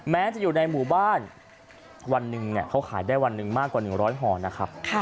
แม้จะอยู่ในหมู่บ้านวันหนึ่งเขาขายได้วันหนึ่งมากกว่า๑๐๐ห่อนะครับ